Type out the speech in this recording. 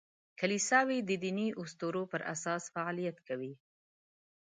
کلیساوې د دیني اسطورو پر اساس فعالیت کوي.